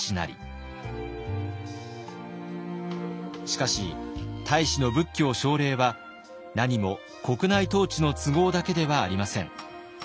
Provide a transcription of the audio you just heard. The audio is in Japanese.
しかし太子の仏教奨励はなにも国内統治の都合だけではありません。